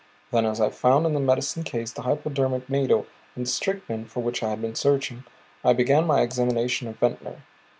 Then as I found in the medicine case the hypodermic needle and the strychnine for which I had been searching, I began my examination of Ventnor.